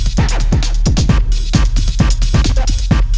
sekarang kamu tetap belajar